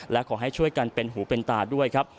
และขอให้ช่วยกันเป็นหูเป็นตาด้วยครับ